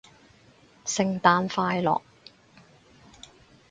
聖誕快樂